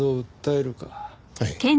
はい。